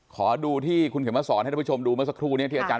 ขอดูที่คุณเข็มมาสอนให้ทุกผู้ชมดูเมื่อสักครู่นี้ที่อาจาร